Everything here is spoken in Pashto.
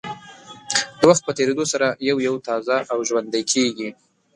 د وخت په تېرېدو سره یو یو تازه او ژوندۍ کېږي.